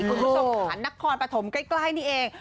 คุณผู้ชมค่ะนครปฐมใกล้นี่เอง